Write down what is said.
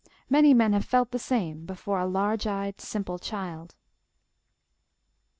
Many men have felt the same before a large eyed, simple child.